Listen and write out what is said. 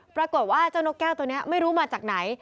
ปรากฏว่าเจ้านกแก้วตัวนี้ไม่รู้มาจากไหน